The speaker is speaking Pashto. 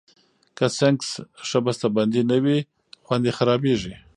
که سنکس ښه بستهبندي نه وي، خوند یې خرابېږي.